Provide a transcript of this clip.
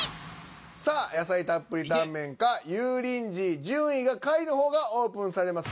さあ野菜たっぷりタンメンか油淋鶏順位が下位の方がオープンされます。